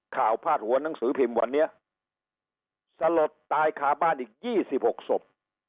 พาดหัวหนังสือพิมพ์วันนี้สลดตายขาบ้านอีก๒๖ศพ